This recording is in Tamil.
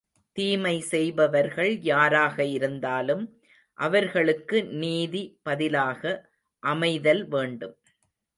தீமை செய்பவர்கள் யாராக இருந்தாலும் அவர்களுக்கு நீதி பதிலாக அமைதல் வேண்டும்.